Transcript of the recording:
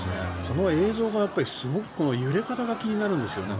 この映像が、すごく揺れ方が気になるんですよね。